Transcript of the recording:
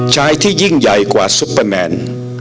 ชายที่ยิ่งใหญ่กว่าซุปเปอร์แมน